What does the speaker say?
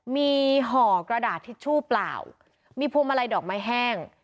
มีห่อกระดาษทิชชู่เปล่ามีพวงมาลัยดอกไม้แห้ง